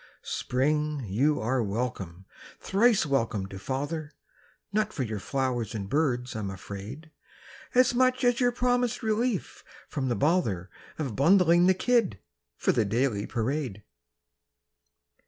Spring, you are welcome, thrice welcome to father; Not for your flowers and birds, I'm afraid, As much as your promised relief from the bother Of bundling the kid for the daily parade.